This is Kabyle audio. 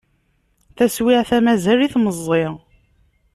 Taswiεt-a mazal-it meẓẓi.